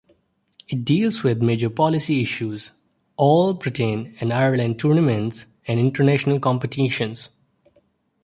It deals with major policy issues, all-Britain and Ireland tournaments, and international competitions.